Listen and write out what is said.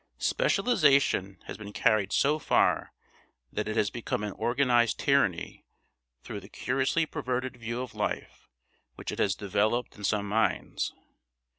Specialisation has been carried so far that it has become an organised tyranny through the curiously perverted view of life which it has developed in some minds.